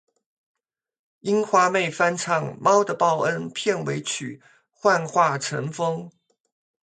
樱花妹翻唱《猫的报恩》片尾曲《幻化成风》